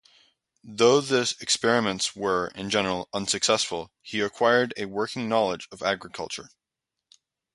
Though the experiments were, in general, unsuccessful, he acquired a working knowledge of agriculture.